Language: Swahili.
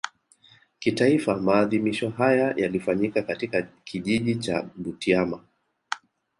Kitaifa maadhimisho haya yalifanyika katika Kijiji cha Butiama